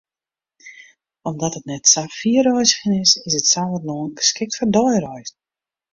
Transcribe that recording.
Omdat it net sa fier reizgjen is, is it Sauerlân geskikt foar deireizen.